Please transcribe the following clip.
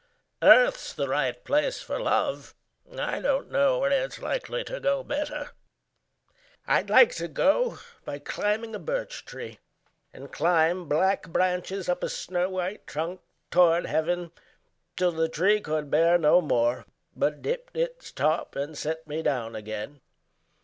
Earth's the right place for love: I don't know where it's likely to go better. I'd like to go by climbing a birch tree, And climb black branches up a snow white trunk Toward heaven, till the tree could bear no more, But dipped its top and set me down again.